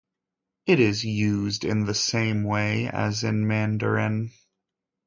It is used in the same way as in Mandarin.